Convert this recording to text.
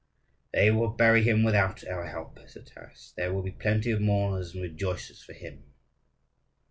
"They will bury him without our help," said Taras; "there will be plenty of mourners and rejoicers for him."